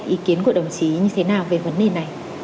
ý kiến của đồng chí như thế nào về vấn đề này